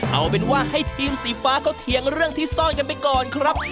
เอาเป็นว่าให้ทีมสีฟ้าเขาเถียงเรื่องที่ซ่อนกันไปก่อนครับ